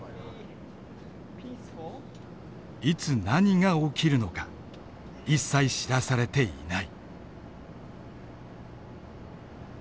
いつ何が起きるのか一切知らされていない。